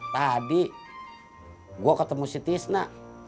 tadi gue ketemu si tisna